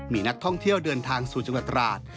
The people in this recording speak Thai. มีนักท่องเที่ยวเดินทางสู่จังหวัดตราด